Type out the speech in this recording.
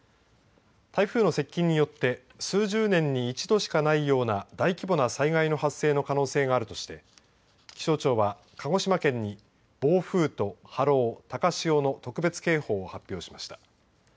台風の接近によって数十年に一度しかないような大規模な災害の発生の可能性があるとして気象庁は、鹿児島県に暴風と波浪高潮の特別警報を発表しました。